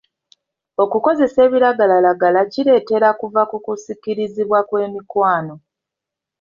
Okukozesa ebiragalalagala kitera kuva ku kusikirizibwa kw'emikwano.